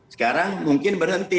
sekarang mungkin berhenti